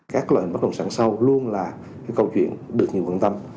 các loại hình bất động sản sau luôn là câu chuyện được nhiều quan tâm